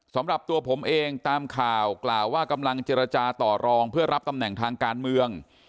สำหรับตัวผมเองตามข่าวกล่าวว่ากำลังเจรจาต่อรองเพื่อรับตำแหน่งทางการเมือง